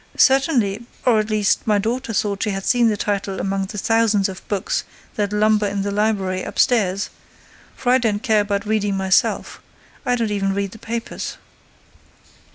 "Certainly—or, at least, my daughter thought she had seen the title among the thousands of books that lumber up the library, upstairs—for I don't care about reading myself—I don't even read the papers.